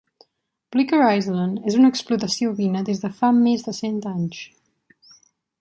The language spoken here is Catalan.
Bleaker Island és una explotació ovina des de fa més de cent anys.